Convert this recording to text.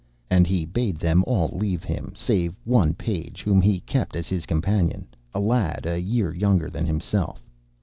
And he bade them all leave him, save one page whom he kept as his companion, a lad a year younger than himself.